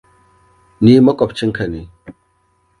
Ni makwabcin ka ne.